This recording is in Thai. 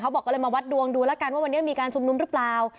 บอกก็เลยมาวัดดวงดูแล้วกันว่าวันนี้มีการชุมนุมหรือเปล่า